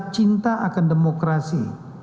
cinta akan demokrasi